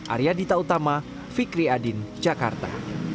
arya dita utama fikri adin jakarta